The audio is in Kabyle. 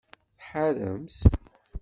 Tḥaremt?